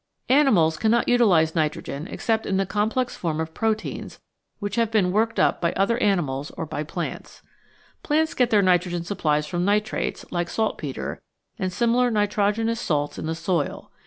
Animals cannot utilise nitrogen except in the complex form of proteins which have been worked up by other animals or by plants. Plants get their nitrogen supplies from nitrates, like saltpetre, and similar nitrogenous salts in the soil.